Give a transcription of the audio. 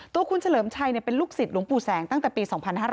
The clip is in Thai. ตัวคุณเฉลิมชัยเป็นลูกศิษย์หลวงปู่แสงตั้งแต่ปี๒๕๕๙